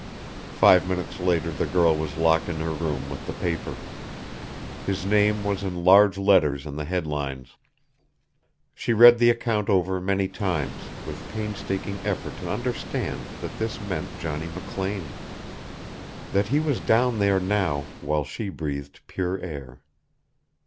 Five minutes later the girl was locked in her room with the paper. His name was in large letters in the head lines. She read the account over many times, with painstaking effort to understand that this meant Johnny McLean. That he was down there now, while she breathed pure air.